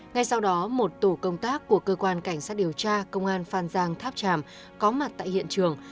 ngay sau đó một tổ công tác của cơ quan cảnh sát điều tra công an phan giang tháp tràm có mặt tại hiện trường